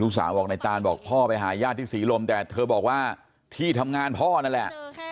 สาวบอกในตานบอกพ่อไปหาญาติที่ศรีลมแต่เธอบอกว่าที่ทำงานพ่อนั่นแหละ